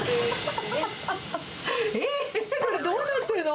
えっ、これ、どうなってるの？